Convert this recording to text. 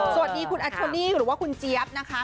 สวัสดีคุณแอโทนี่หรือว่าคุณเจี๊ยบนะคะ